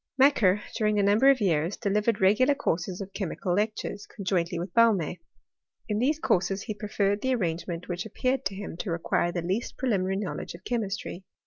Macquer, during a number of years, delivered re gular courses of chemical lectures, conjointly with Baum6. In these courses he preferred that arrange ment which appeared to him to require the least pre liminary knowledge of chemistry.